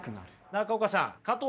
中岡さん。